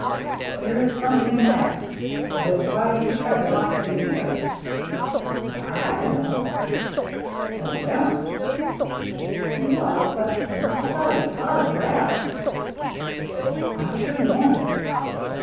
" There is something in that. But why did he try to lock us in here ?"" I dunno." " Oh, you don't." " No, but — I'll tell you. Pa's rattled." " I shouldn't wonder."